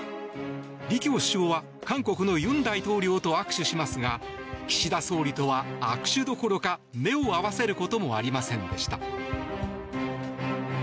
李強首相は韓国の尹大統領と握手しますが岸田総理とは握手どころか目を合わせることもありませんでした。